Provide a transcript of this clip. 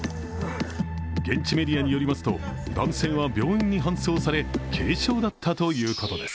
現地メディアによりますと、男性は病院に搬送され軽傷だったということです。